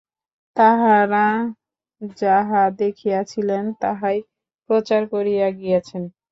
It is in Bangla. তাঁহারা যাহা দেখিয়াছিলেন, তাহাই প্রচার করিয়া গিয়াছেন।